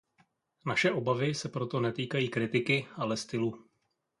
Naše obavy se proto netýkají kritiky, ale stylu.